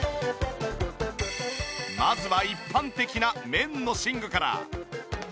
まずは一般的な綿の寝具から。